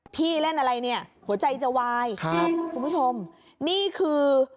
พี่เล่นอะไรเนี่ยหัวใจจะวายครับคุณผู้ชมนี่คือ